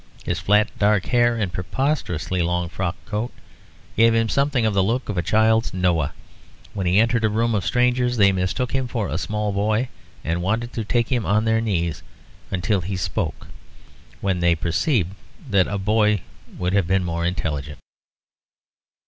His flat dark hair and preposterously long frock coat gave him something of the look of a child's "Noah." When he entered a room of strangers, they mistook him for a small boy, and wanted to take him on their knees, until he spoke, when they perceived that a boy would have been more intelligent.